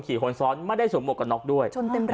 ขี่หนสอนไม่ได้สมบัติกับน๊อกด้วย